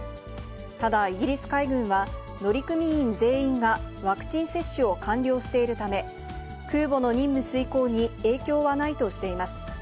ただイギリス海軍は、乗組員全員がワクチン接種を完了しているため、空母の任務遂行に影響はないとしています。